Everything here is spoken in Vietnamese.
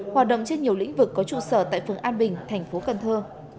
hoạt động trên nhiều lĩnh vực có trụ sở tại phường an bình thành phố cần thơ